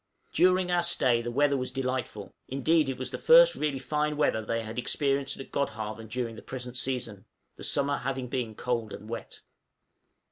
During our stay the weather was delightful; indeed it was the first really fine weather they had experienced at Godhavn during the present season, the summer having been cold and wet.